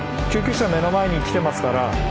救急車目の前に来てますから。